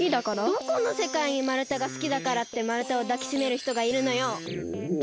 どこのせかいにまるたがすきだからってまるたをだきしめるひとがいるのよ！